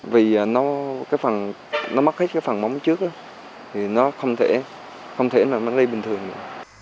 vì nó mất hết phần móng trước thì nó không thể mà đi bình thường nữa